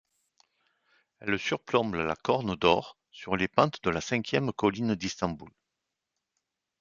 Elle surplombe la Corne d’Or sur les pentes de la cinquième colline d’Istanbul.